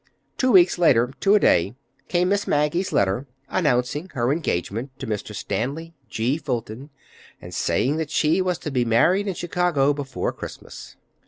Two weeks later, to a day, came Miss Maggie's letter announcing her engagement to Mr. Stanley G. Fulton, and saying that she was to be married in Chicago before Christmas.